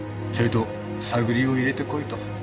ちょいと探りを入れて来いと。